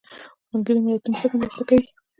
ملګري ملتونه څنګه مرسته کوي؟